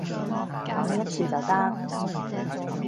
講一次就得